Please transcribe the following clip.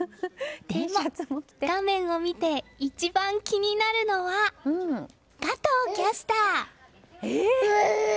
でも、画面を見て一番気になるのは加藤キャスター！